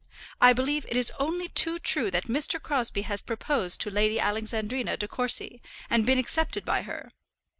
I believe it is only too true that Mr. Crosbie has proposed to Lady Alexandrina De Courcy, and been accepted by her.